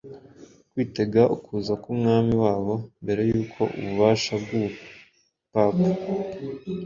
kwitega ukuza k’Umwami wabo mbere y’uko ubu bubasha bw’ubupapa